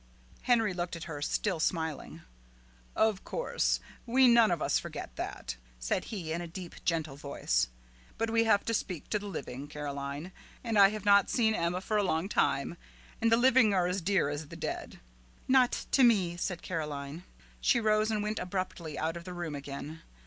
Henry looked at her, still smiling. "Of course, we none of us forget that," said he, in a deep, gentle voice; "but we have to speak to the living, Caroline, and I have not seen Emma for a long time, and the living are as dear as the dead." "Not to me," said Caroline. She rose and went abruptly out of the room again.